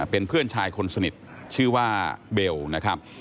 เป็นเพื่อนชายคนสนิทชื่อว่าเบลนะครับ